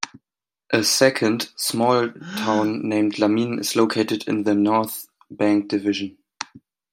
A second, small town named Lamin is located in the North Bank Division.